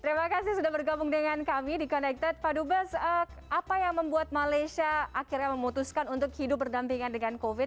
terima kasih sudah bergabung dengan kami di connected pak dubes apa yang membuat malaysia akhirnya memutuskan untuk hidup berdampingan dengan covid sembilan